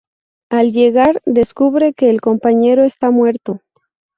Al llegar, descubre que el compañero está muerto.